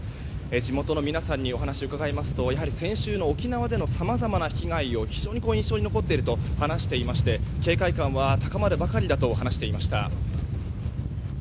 地元の皆さんに話を伺うと先週、沖縄でのさまざまな被害が非常に印象に残っていると話していまして警戒感は高まるばかりだと話していました。